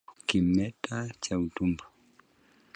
Kimeta cha utumbo